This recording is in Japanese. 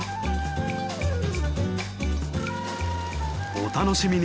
お楽しみに！